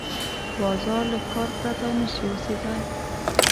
باز له ښکار پرته نه شي اوسېدای